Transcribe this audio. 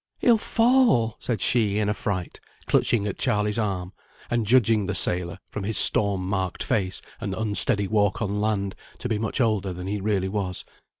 "He'll fall!" said she, in affright, clutching at Charley's arm, and judging the sailor, from his storm marked face and unsteady walk on land, to be much older than he really was.